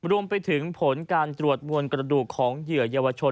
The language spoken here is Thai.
รวมไปถึงผลการตรวจมวลกระดูกของเหยื่อเยาวชน